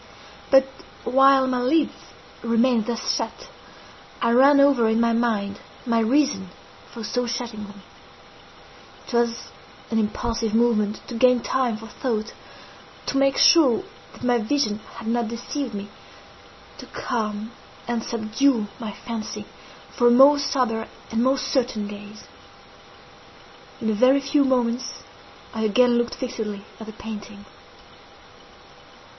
But while my lids remained thus shut, I ran over in my mind my reason for so shutting them. It was an impulsive movement to gain time for thought—to make sure that my vision had not deceived me—to calm and subdue my fancy for a more sober and more certain gaze. In a very few moments I again looked fixedly at the painting.